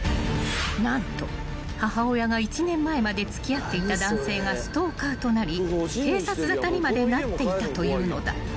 ［何と母親が１年前まで付き合っていた男性がストーカーとなり警察沙汰にまでなっていたというのだ］